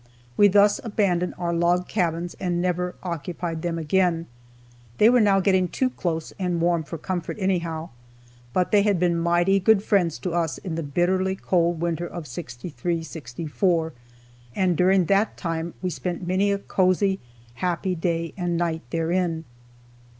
We thus abandoned our log cabins, and never occupied them again. They were now getting too close and warm for comfort, anyhow. But they had been mighty good friends to us in the bitterly cold winter of '63 4, and during that time we spent many a cosy, happy day and night therein.